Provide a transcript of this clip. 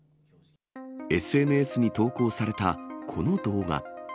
ＳＮＳに投稿されたこの動画。